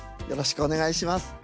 よろしくお願いします。